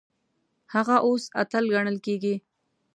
هغه اوس اتل ګڼل کیږي.